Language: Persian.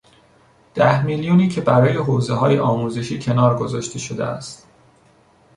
ده میلیونی که برای حوزههای آموزشی کنار گذاشته شده است